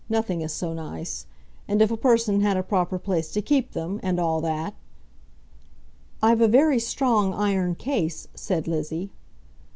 Nothing is so nice. And if a person had a proper place to keep them, and all that " "I've a very strong iron case," said Lizzie.